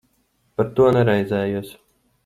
Par to neraizējos.